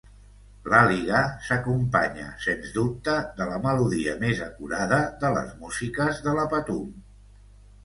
L'Àliga s'acompanya, sens dubte, de la melodia més acurada de les músiques de la Patum.